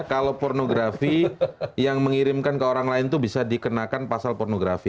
kalau pornografi yang mengirimkan ke orang lain itu bisa dikenakan pasal pornografi